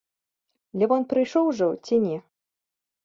Лявон прыйшоў ужо, ці не?